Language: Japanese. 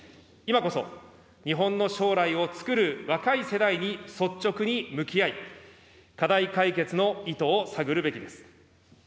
今こそ、日本の将来をつくる若い世代に率直に向き合い、課題解決の意図を探るべきです。